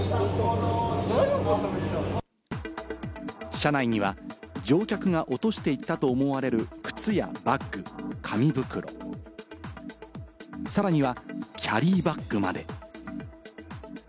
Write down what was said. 車内には乗客が落としていたと思われる、靴やバッグ、紙袋、さらにはキャリーバッグまで。